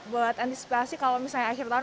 buat antisipasi kalau misalnya akhir tahun